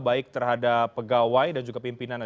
baik terhadap pegawai dan juga pimpinan